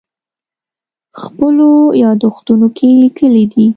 خپلو یادښتونو کې لیکلي دي.